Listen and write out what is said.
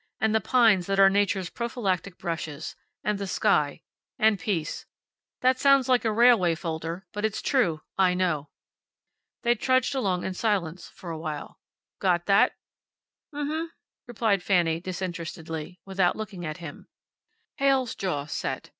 And the pines that are nature's prophylactic brushes. And the sky. And peace. That sounds like a railway folder, but it's true. I know." They trudged along in silence for a little while. "Got that?" "M m," replied Fanny, disinterestedly, without looking at him. Heyl's jaw set.